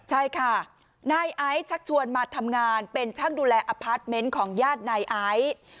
ใช่ค่ะนายไอซ์ชักชวนมาทำงานเป็นช่างดูแลอพาร์ทเมนต์ของญาตินายไอซ์